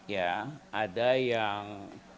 ya ada yang